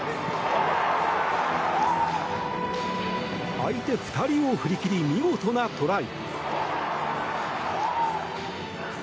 相手２人を振り切り見事なトライ。